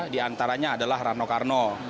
di antaranya adalah rano karno